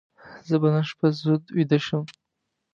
زه به نن شپه زود ویده شم.